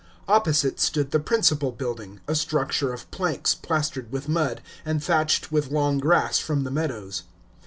Opposite stood the principal building, a structure of planks, plastered with mud, and thatched with long grass from the meadows.